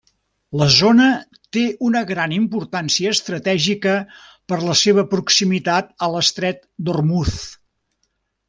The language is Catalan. La zona té una gran importància estratègica per la seva proximitat a l'Estret d'Ormuz.